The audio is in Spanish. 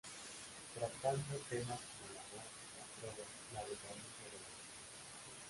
Tratando temas como el amor, las drogas, la decadencia de la persona.